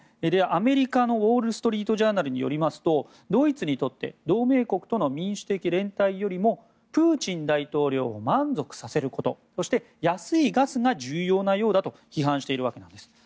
アメリカのウォール・ストリート・ジャーナルによるとドイツにとって同盟国との民主的連帯よりもプーチン大統領を満足させることそして安いガスが重要なようだと批判しているわけです。